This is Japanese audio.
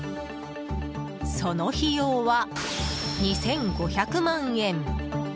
その費用は２５００万円。